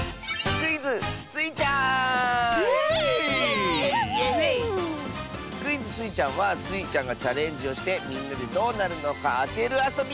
クイズ「スイちゃん」はスイちゃんがチャレンジをしてみんなでどうなるのかあてるあそび！